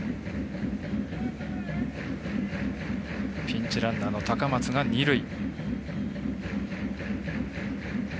ピンチランナーの高松が二塁。